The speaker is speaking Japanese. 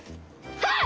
はい！